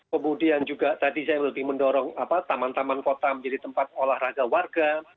kemudian juga tadi saya lebih mendorong taman taman kota menjadi tempat olahraga warga